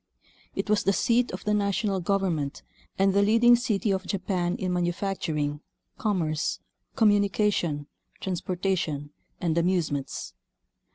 It was the seat of the national government and the leading city of Japan in manufacturing, commerce, com munication, transportation, and amusements.